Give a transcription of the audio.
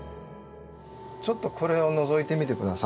ちょっとこれをのぞいてみて下さい。